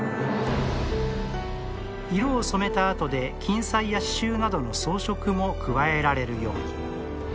色を染めたあとで金彩や刺繍などの装飾も加えられるように。